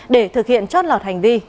để thực hiện trót lọt hành vi